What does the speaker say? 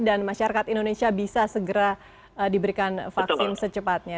dan masyarakat indonesia bisa segera diberikan vaksin secepatnya